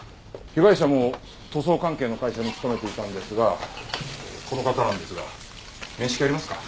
被害者も塗装関係の会社に勤めていたんですがこの方なんですが面識ありますか？